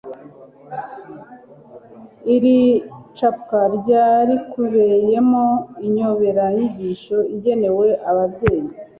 iri capwa rya rikubiyemo inyoboranyigisho igenewe ababyeyi